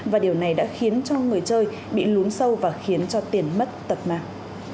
và điều này đã khiến cho người chơi bị lún sâu và khiến cho tiền mất tật mạng